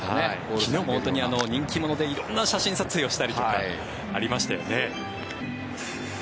昨日も大谷、人気者で色んな写真撮影したりとかありましたよね。